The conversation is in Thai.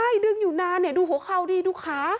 ใช่ดึงอยู่นานดูหัวเขาดีดูขา